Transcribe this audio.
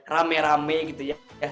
rame rame gitu ya